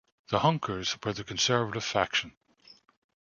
The Hunkers were the conservative faction.